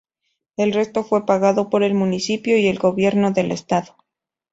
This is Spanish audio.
El resto fue pagado por el Municipio y el Gobierno del Estado.